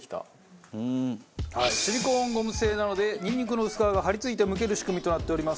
シリコーンゴム製なのでニンニクの薄皮が張り付いてむける仕組みとなっております。